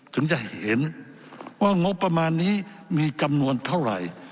ถึงจะเห็นว่างบประมาณนี้มีจำนวนเท่าไหร่